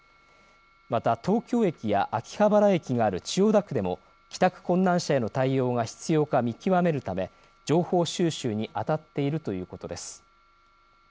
また東京駅や秋葉原駅がある千代田区でも帰宅困難者への対応が必要か見極めるため情報収集にあたっているということです。